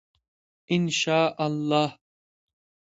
انشاالله.